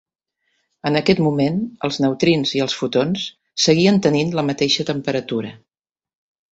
En aquest moment, els neutrins i els fotons seguien tenint la mateixa temperatura.